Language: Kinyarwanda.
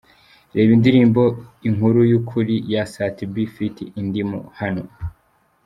Reba Indirimbo Inkuru y'Ukuri ya Sat-B ft Indimu hano:.